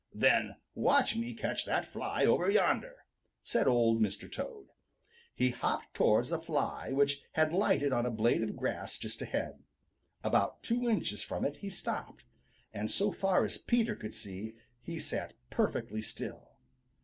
"Then watch me catch that fly over yonder," said Old Mr. Toad. He hopped towards a fly which had lighted on a blade of grass just ahead. About two inches from it he stopped, and so far as Peter could see, he sat perfectly still.